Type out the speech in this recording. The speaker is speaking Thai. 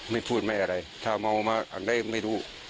ไม่พูดไม่อะไรถ้าเมามาอันได้ไม่รู้